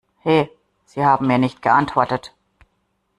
He, Sie haben mir nicht geantwortet!